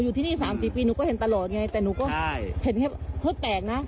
อยู่ที่นี่๓๔ปีหนูก็เห็นตลอดไงแต่หนูก็เห็นเฮ้ยแปลกนะ